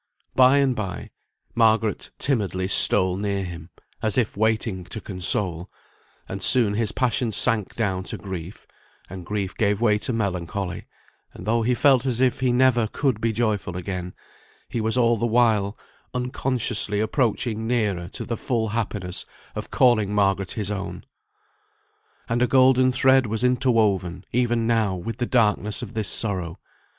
By and bye, Margaret timidly stole near him, as if waiting to console; and soon his passion sank down to grief, and grief gave way to melancholy, and though he felt as if he never could be joyful again, he was all the while unconsciously approaching nearer to the full happiness of calling Margaret his own, and a golden thread was interwoven even now with the darkness of his sorrow.